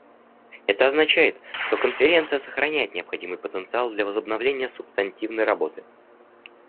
Это означает, что Конференция сохраняет необходимый потенциал для возобновления субстантивной работы.